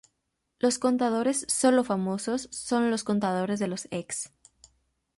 Los contadores sólo famosos son los contadores de los ex".